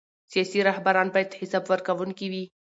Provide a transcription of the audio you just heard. سیاسي رهبران باید حساب ورکوونکي وي